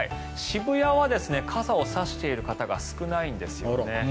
渋谷は傘を差している方が少ないんですね。